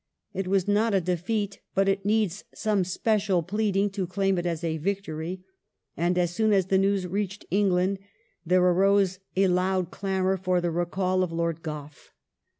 It was not a defeat, but it needs some special pleading to claim it as a victory, and as soon as the news reached England there arose a loud clamour for the recall of Lord Gough.